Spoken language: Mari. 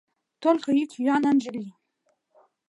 Только йӱк-йӱан ынже лий.